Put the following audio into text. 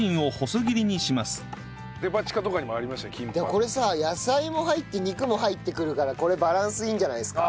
これさ野菜も入って肉も入ってくるからこれバランスいいんじゃないですか？